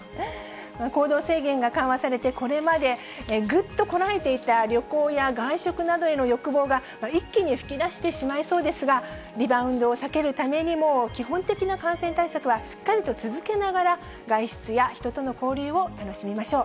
行動制限が緩和されて、これまでぐっとこらえていた旅行や外食などへの欲望が一気に噴き出してしまいそうですが、リバウンドを避けるためにも、基本的な感染対策はしっかりと続けながら、外出や人との交流を楽しみましょう。